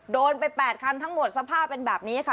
โดนไป๘คันทั้งหมดสภาพเป็นแบบนี้ค่ะ